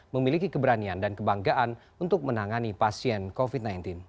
memiliki keberanian dan kebanggaan untuk menangani pasien covid sembilan belas